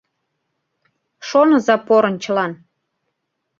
Шоныза порын чылан: